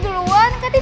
sam unfun to bang ifan